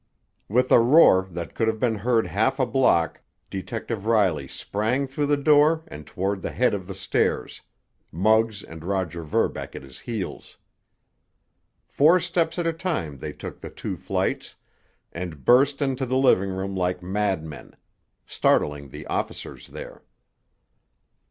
With a roar that could have been heard half a block, Detective Riley sprang through the door and toward the head of the stairs, Muggs and Roger Verbeck at his heels. Four steps at a time they took the two flights, and burst into the living room like madmen, startling the officers there.